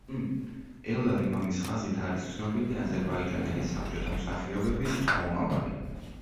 ელდარი მამის ხაზით არის ცნობილი აზერბაიჯანელი საბჭოთა მსახიობების შთამომავალი.